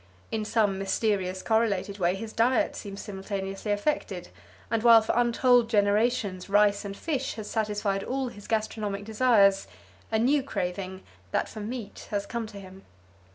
In some mysterious correlated way his diet seems simultaneously affected, and while for untold generations rice and fish has satisfied all his gastronomic desires, a new craving, that for meat, has come to him.